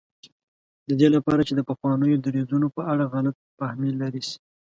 د دې لپاره چې د پخوانیو دریځونو په اړه غلط فهمي لرې شي.